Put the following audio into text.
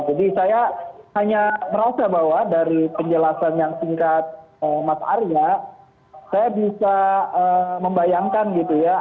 saya hanya merasa bahwa dari penjelasan yang singkat mas arya saya bisa membayangkan gitu ya